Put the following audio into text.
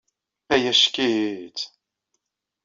Ay acek-itt!